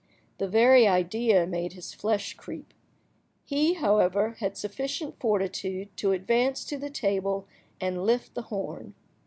The very idea made his flesh creep. He, however, had sufficient fortitude to advance to the table and lift the horn.